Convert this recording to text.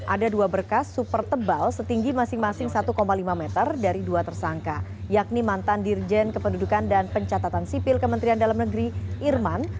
ada dua berkas super tebal setinggi masing masing satu lima meter dari dua tersangka yakni mantan dirjen kependudukan dan pencatatan sipil kementerian dalam negeri irman